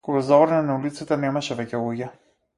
Кога заврна на улиците немаше веќе луѓе.